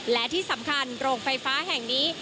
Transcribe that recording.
และที่สำคัญโรงไฟฟ้าแห่งนี้